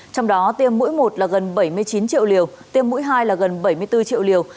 trong đó tiêm mỗi một là gần bảy mươi chín triệu liều tiêm mũi hai là gần bảy mươi bốn triệu liều